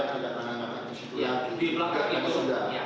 saya tidak tanda tangan di situ lagi